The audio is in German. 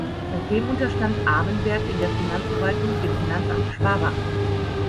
Seitdem unterstand Abenberg in der Finanzverwaltung dem Finanzamt Schwabach.